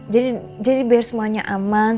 jadi jadi biar semuanya aman